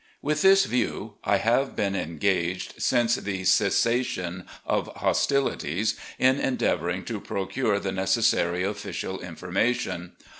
With this view, I have been engaged since the cessation of hostilities in endeavouring to procure the necessary official information.